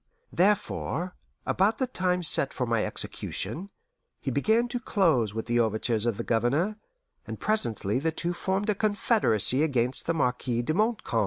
Therefore, about the time set for my execution, he began to close with the overtures of the Governor, and presently the two formed a confederacy against the Marquis de Montcalm.